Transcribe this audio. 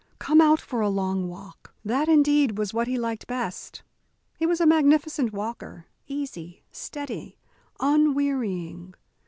Come out for a long walk." That indeed was what he liked best. He was a magnificent walker, easy, steady, unwearying.